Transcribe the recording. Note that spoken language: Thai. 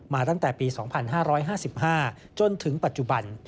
ตั้งแต่ปี๒๕๕๕จนถึงปัจจุบัน